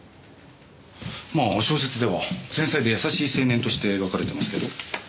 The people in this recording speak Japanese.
まあ小説では繊細で優しい青年として描かれてますけど。